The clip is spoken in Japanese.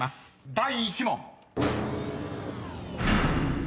第１問］